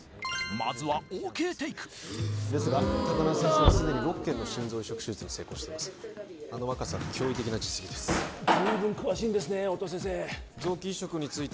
まずはＯＫテイクですが高輪先生はすでに６件の心臓移植手術を成功していますあの若さで驚異的な実績です随分詳しいんですね